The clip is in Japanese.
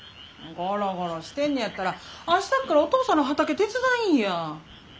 ゴロゴロしてんねやったら明日からお父さんの畑手伝いんや。